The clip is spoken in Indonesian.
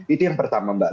itu yang pertama mbak